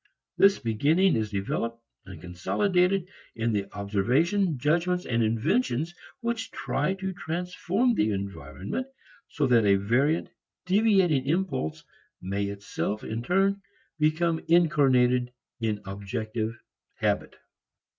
This beginning is developed and consolidated in the observations, judgments, inventions which try to transform the environment so that a variant, deviating impulse may itself in turn become incarnated in objective habit.